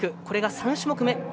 これが３種目め。